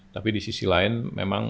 tapi di sisi lain memang